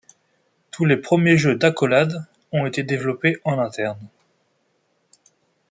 Tous les premiers jeux d'Accolade ont été développés en interne.